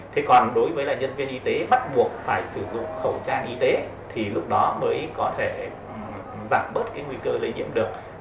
thế còn đối với nhân viên y tế bắt buộc phải sử dụng khẩu trang y tế thì lúc đó mới có thể giảm bớt cái nguy cơ lây nhiễm được